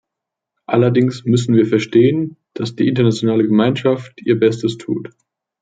Allerdings müssen wir verstehen, dass die internationale Gemeinschaft ihr Bestes tut.